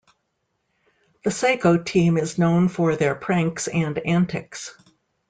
The Saeco team is known for their pranks and antics.